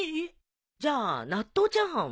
じゃあ納豆チャーハンは？